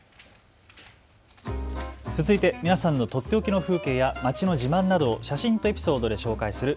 続いて皆さんのとっておきの風景や街の自慢などを写真とエピソードで紹介する＃